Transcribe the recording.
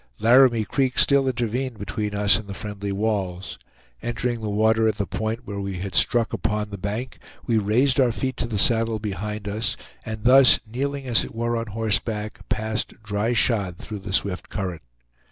Laramie Creek still intervened between us and the friendly walls. Entering the water at the point where we had struck upon the bank, we raised our feet to the saddle behind us, and thus, kneeling as it were on horseback, passed dry shod through the swift current.